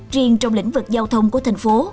riêng trong lĩnh vực giao thông của thành phố